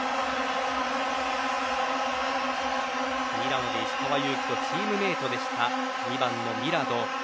ミラノで石川祐希とチームメートでした２番のミラド。